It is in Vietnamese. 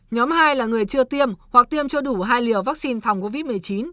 nhóm hai là người chưa tiêm hoặc tiêm chưa đủ hai liều vaccine phòng covid một mươi chín